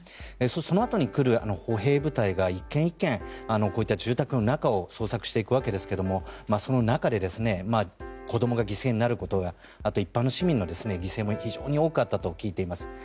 そのあとに来る歩兵部隊が１軒１軒住宅の中を捜索していくわけですけれどもその中で子供が犠牲になることや一般市民の犠牲も非常に多かったと聞いています。